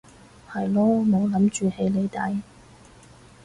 係囉冇諗住起你底